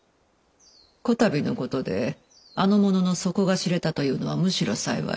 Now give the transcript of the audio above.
此度のことであの者の底が知れたというのはむしろ幸い。